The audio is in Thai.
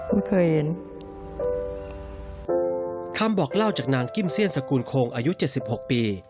ไม่เคยเห็นคำบอกเล่าจากนางกิ้มเซียนสกูลโคงอายุ๗๖ปี